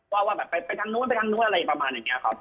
ว่าว่าแบบไปทางนู้นไปทางนู้นอะไรประมาณอย่างนี้ครับ